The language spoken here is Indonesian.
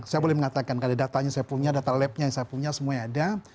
saya boleh mengatakan karena datanya saya punya data labnya yang saya punya semuanya ada